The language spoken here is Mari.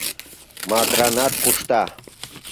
Матранат кушта.